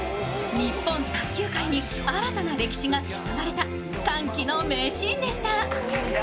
日本卓球界に新たな歴史が刻まれた、歓喜の名シーンでした。